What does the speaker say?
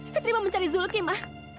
fitri mau mencari zulki mah